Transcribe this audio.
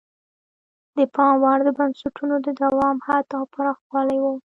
د پام وړ د بنسټونو د دوام حد او پراخوالی وو.